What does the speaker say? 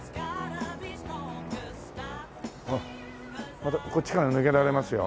またこっちから抜けられますよ。